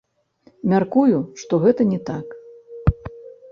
Мяркую, што гэта не так.